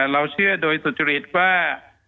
เราเชื่อโดยสุจริตว่า